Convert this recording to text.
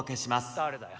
誰だよ？